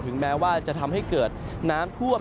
แม้ว่าจะทำให้เกิดน้ำท่วม